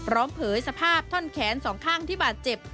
เผยสภาพท่อนแขนสองข้างที่บาดเจ็บ